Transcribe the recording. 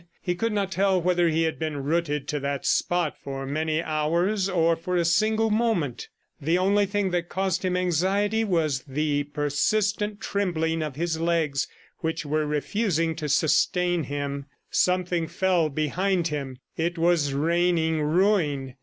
He could not tell whether he had been rooted to that spot for many hours or for a single moment. The only thing that caused him anxiety was the persistent trembling of his legs which were refusing to sustain him. ... Something fell behind him. It was raining ruin.